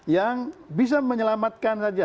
yang bisa menyelamatkan saja